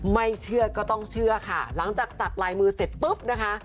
ไม่เชื่อก็ต้องเชื่อค่ะหลังจากสักลายมือเสร็จปุ๊บนะคะ